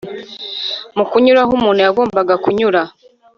Mu kunyura aho umuntu yagombaga kunyura